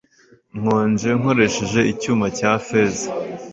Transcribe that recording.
nkonje nkoresheje icyuma cya feza,